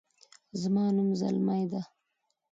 زما نوم زلمۍ ده